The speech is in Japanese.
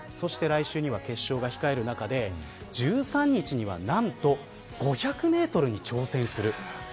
そして来週には決勝が控える中で１３日には、何と５００メートルに挑戦する。